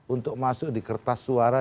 untuk masuk di kertas suara